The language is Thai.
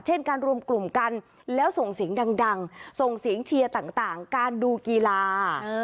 เช่นการรวมกลุ่มกันแล้วส่งเสียงดังส่งเสียงเชียร์ต่างการดูกีฬา